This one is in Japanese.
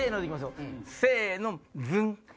よせのズン！